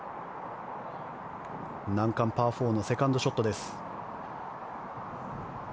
難関パー４のセカンドショットです。